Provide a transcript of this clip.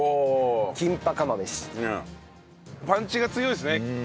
パンチが強いですね。